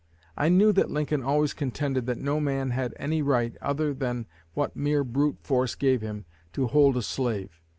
I know that Lincoln always contended that no man had any right, other than what mere brute force gave him, to hold a slave.